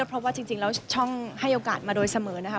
เพราะว่าจริงแล้วช่องให้โอกาสมาโดยเสมอนะคะ